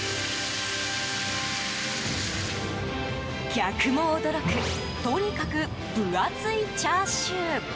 客も驚くとにかく分厚いチャーシュー。